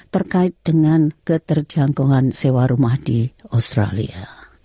terkait dengan keterjangkauan sewa rumah di australia